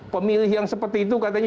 pemilih yang seperti itu katanya